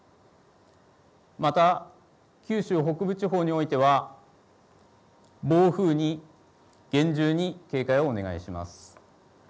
また九州北部地方においては暴風に厳重に警戒をお願いします。